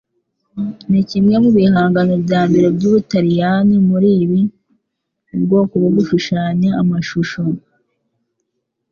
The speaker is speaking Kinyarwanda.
ni kimwe mu bihangano byambere by’Ubutaliyani muri ibi, ubwoko bwo gushushanya amashusho